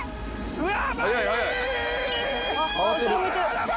うわ！